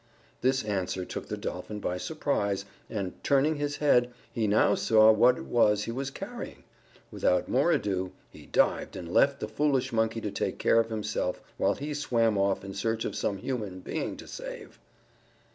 This answer took the Dolphin by surprise, and, turning his head, he now saw what it was he was carrying. Without more ado, he dived and left the foolish Monkey to take care of himself, while he swam off in search of some human being to save.